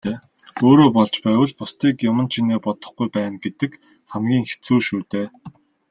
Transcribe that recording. Өөрөө болж байвал бусдыг юман чинээ бодохгүй байна гэдэг хамгийн хэцүү шүү дээ.